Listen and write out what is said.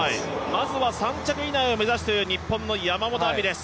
まずは３着以内を目指すという山本亜美です。